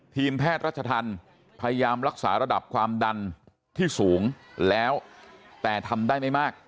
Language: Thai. ทีมแพทย์รัชธรรมพยายามรักษาระดับความดันที่สูงแล้วแต่ทำได้ไม่มาก